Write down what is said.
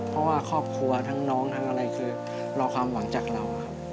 เพราะว่าครอบครัวทั้งน้องทั้งอะไรคือรอความหวังจากเราครับ